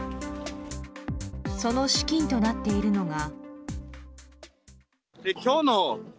その資金となっているのが。